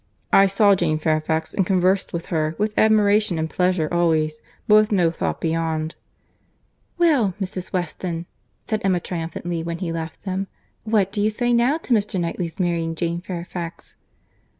I saw Jane Fairfax and conversed with her, with admiration and pleasure always—but with no thought beyond." "Well, Mrs. Weston," said Emma triumphantly when he left them, "what do you say now to Mr. Knightley's marrying Jane Fairfax?"